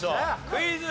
クイズ。